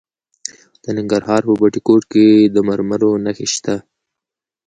د ننګرهار په بټي کوټ کې د مرمرو نښې شته.